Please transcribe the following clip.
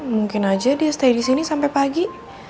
mungkin aja dia stay disini sampe pagi